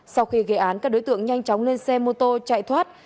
sau khi gây án các đối tượng nhanh chóng lên xe mô tô chạy thoát